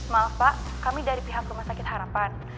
maaf pak kami dari pihak rumah sakit harapan